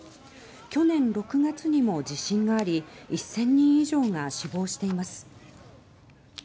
去年６月にも地震があり１０００人以上が死亡しています。